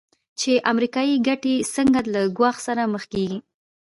چې امریکایي ګټې څنګه له ګواښ سره مخ کېږي.